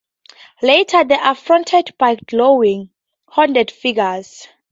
Later, they are confronted by glowing, hooded figures.